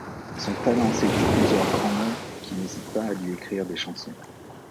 Son talent séduit plusieurs grands noms qui n'hésitent pas à lui écrire des chansons.